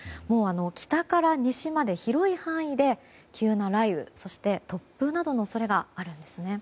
北から西まで広い範囲で急な雷雨そして、突風などの恐れがあるんですね。